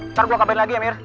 ntar gue kabarin lagi ya mir